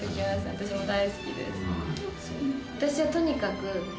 私も大好きです。